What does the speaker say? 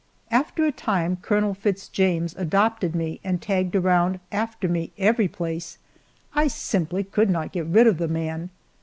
After a time Colonel Fitz James adopted me and tagged around after me every place; I simply could not get rid of the man.